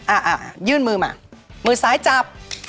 อ่าอ่ายื่นมือมามือซ้ายจับ